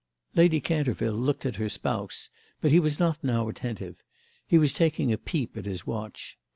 Lady Canterville looked at her spouse, but he was now not attentive; he was taking a peep at his watch.